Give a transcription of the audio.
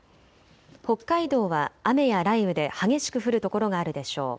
北海道は雨や雷雨で激しく降る所があるでしょう。